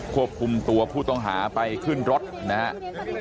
ควบคุมตัวผู้ต้องหาไปขึ้นรถนะครับ